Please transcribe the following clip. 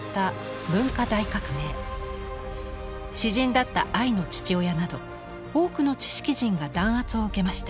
詩人だったアイの父親など多くの知識人が弾圧を受けました。